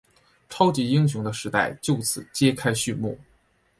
超级英雄的时代就此揭开序幕。